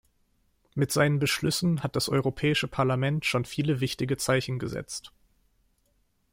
Mit seinen Beschlüssen hat das Europäische Parlament schon viele wichtige Zeichen gesetzt.